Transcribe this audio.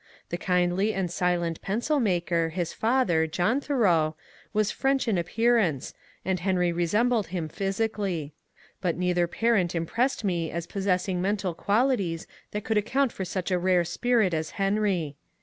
The kindly and silent pencil maker, his father, John Thoreau, was French in appearance, and Henry resembled him physically ; but neither parent impressed me as possessing mental qualities that could account, for such a rare spirit as Henry.